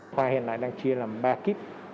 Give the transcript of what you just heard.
khoa hiện lại đang chia làm ba kit